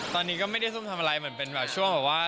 ตอนนี้ก็ไม่ได้ซุ่มทำอะไรเหมือนเป็นแบบช่วงแบบว่า